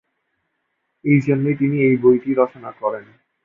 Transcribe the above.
এই জন্যই তিনি এই বইটি রচনা করেন।